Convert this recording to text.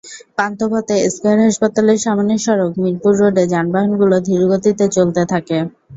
পান্থপথে square হাসপাতালের সামনের সড়ক, মিরপুর রোডে যানবাহনগুলো ধীরগতিতে চলতে থাকে।